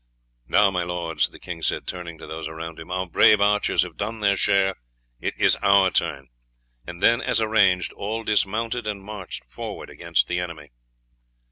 "Now, my lords," the king said, turning to those around him, "our brave archers have done their share; it is our turn;" and then, as arranged, all dismounted and marched forward against the enemy.